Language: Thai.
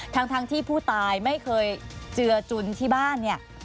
ทั้งที่ผู้ตายไม่เคยเจือจุนที่บ้านเนี่ย